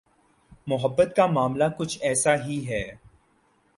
محبت کا معاملہ کچھ ایسا ہی ہے۔